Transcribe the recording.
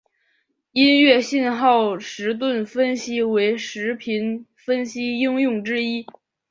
音乐信号时频分析为时频分析应用之一。